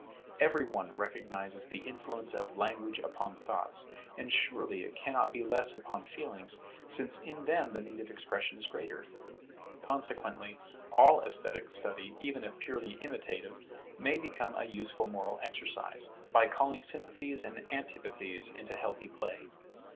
Every one recognizes the influence of language upon thoughts: and surely it cannot be less upon feelings, since in them the need of expression is greater. Consequently all esthetic study, even if purely imitative, may become a useful moral exercise, by calling sympathies and antipathies into healthy play.